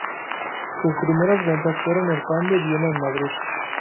Sus primeras ventas fueron el pan de Viena en Madrid.